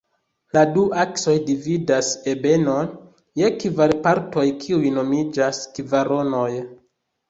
La du aksoj dividas ebenon je kvar partoj, kiuj nomiĝas kvaronoj.